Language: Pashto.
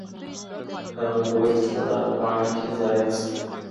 هغه وویل چي په دغه پاڼې کي ځای نسته.